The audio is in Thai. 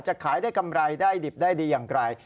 ขายได้กำไรได้ดิบได้ดีอย่างไร